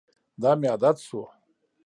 دا مې عادت شو.